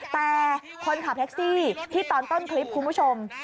แต่คนขับแท็กซี่ที่ตอนต้นคลิปคุณผู้ชม